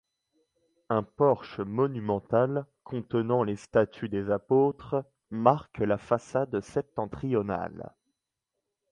Un porche monumental, contenant les statues des apôtres, marque la façade septentrionale.